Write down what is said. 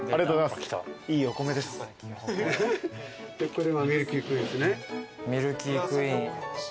これがミルキークイーンですね。